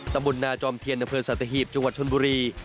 ตำบลนาจอมเทียนอำเภอสัตหีบจังหวัดชนบุรี